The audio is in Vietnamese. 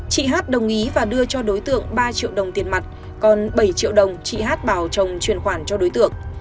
chị hát đồng ý và đưa cho đối tượng ba triệu đồng tiền mặt còn bảy triệu đồng chị hát bảo chồng chuyển khoản cho đối tượng